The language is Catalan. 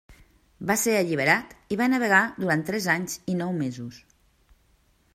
Va ser alliberat i va navegar durant tres anys i nou mesos.